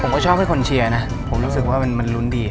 ชอบให้คนเชียร์นะผมรู้สึกว่ามันลุ้นดี